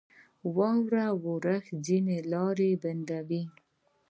• د واورې اورښت ځینې لارې بندوي.